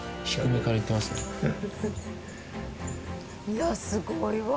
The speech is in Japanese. いやすごいわ。